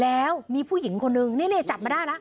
แล้วมีผู้หญิงคนนึงนี่จับมาได้แล้ว